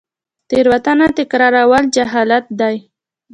تیروتنه تکرارول جهالت دی